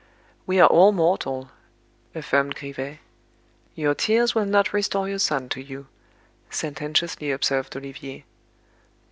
"We are all mortal," affirmed Grivet. "Your tears will not restore your son to you," sententiously observed Olivier.